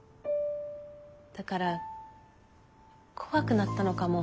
だから怖くなったのかも。